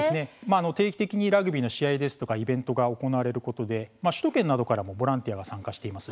定期的にラグビーの試合やイベントが行われることで首都圏などからもボランティアが参加します。